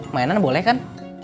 mainan boleh kan